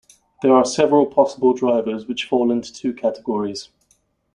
There are several possible drivers, which fall into two categories.